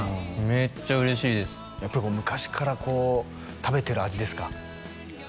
めっちゃ嬉しいです昔からこう食べてる味ですか？